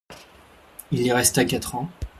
Il y resta quatre ans.